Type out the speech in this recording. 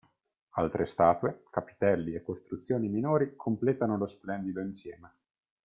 Altre statue, capitelli e costruzioni minori completano lo splendido insieme.